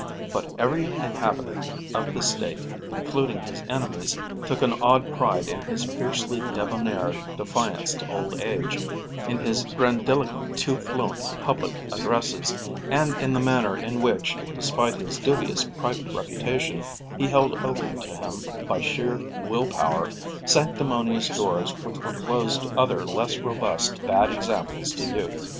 But every inhabitant of the State, including his enemies, took an odd pride in his fiercely debonair defiance to old age, in his grandiloquent, too fluent public addresses, and in the manner in which, despite his dubious private reputation, he held open to him, by sheer will power, sanctimonious doors which were closed to other less robust bad examples to youth.